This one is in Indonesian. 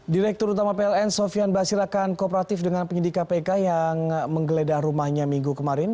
direktur utama pln sofian basir akan kooperatif dengan penyidik kpk yang menggeledah rumahnya minggu kemarin